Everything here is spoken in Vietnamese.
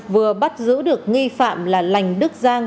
vừa bắt giữ được nghi phạm là lành đức giang